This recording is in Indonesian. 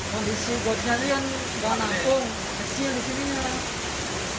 kondisi gua jalanin ga nangkum kecil disininya